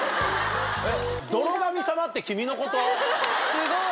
すごい！